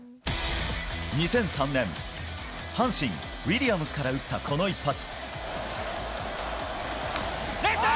２００３年、阪神、ウィリアムスから打ったこの一発。